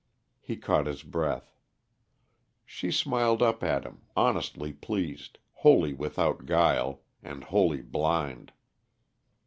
He caught his breath. She smiled up at him, honestly pleased, wholly without guile and wholly blind.